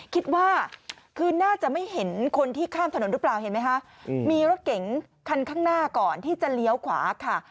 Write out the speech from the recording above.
คิดว่าคือน่าจะไม่เห็นคนที่ข้ามถนนหรือเปล่าเห็นไหมคะมีรถเก๋งคันข้างหน้าก่อนที่จะเลี้ยวขวาค่ะ